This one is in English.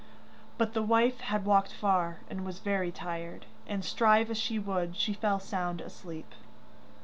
But the wife had walked far, and was very tired, and strive as she would, she fell sound asleep.